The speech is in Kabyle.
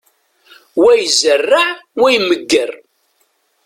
Wa izerreε, wa imegger.